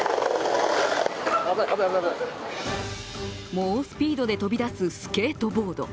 猛スピードで飛び出すスケートボード。